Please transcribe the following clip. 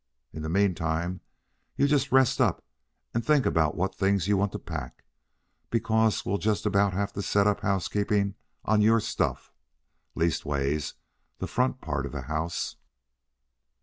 In the meantime, you just rest up and think about what things you want to pack, because we'll just about have to set up housekeeping on your stuff leastways, the front part of the house."